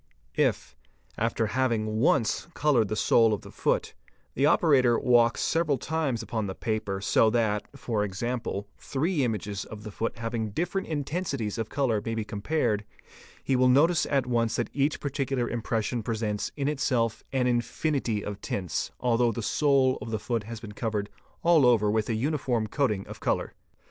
If, after having once coloured the sole of the foot, the operator walks several times upon the paper so that, for example, three images of | the foot having different intensities of colour may be compared, he will 4 notice at once that each particular impression presents in itself an infinity — of tints, although the sole of the foot has been covered all over with | a uniform coating of colour.